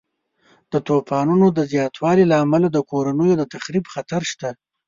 د طوفانونو د زیاتوالي له امله د کورنیو د تخریب خطر شته.